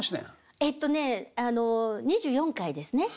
えっとね２４回ですね。